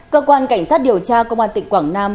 cơ quan cảnh sát điều tra công an tỉnh quảng nam